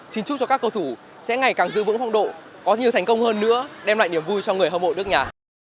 xin chúc cho các cầu thủ sẽ ngày càng giữ vững phong độ có nhiều thành công hơn nữa đem lại niềm vui cho người hâm mộ nước nhà